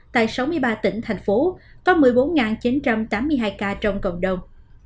tại sáu mươi ba tỉnh thành phố có một mươi bốn chín trăm tám mươi hai ca trong cộng đồng